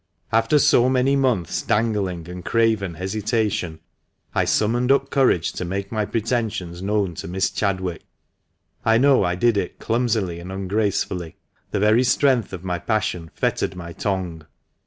After so many months'1 dangling, and craven hesitation, I summoned up courage to make my pretensions known to Miss Chadwick. I know I did it clumsily and ungracefully ; the very strength of my passion fettered my tongue.